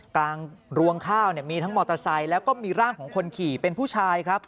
กรวงข้าวเนี่ยมีทั้งมอเตอร์ไซค์แล้วก็มีร่างของคนขี่เป็นผู้ชายครับ